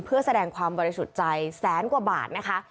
เพื่อแสดงความบริสุทธิ์ใจแสนกว่าบาทนะคะ